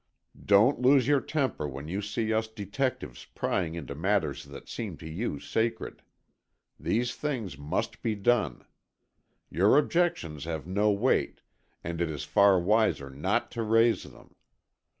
Don't lose your temper when you see us detectives prying into matters that seem to you sacred. These things must be done. Your objections have no weight, and it is far wiser not to raise them.